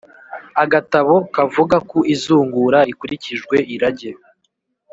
agatabo kavuga ku izungura rikurikijwe irage.